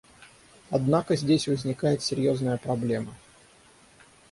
Однако здесь возникает серьезная проблема.